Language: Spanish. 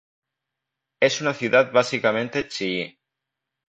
Es una ciudad básicamente chií.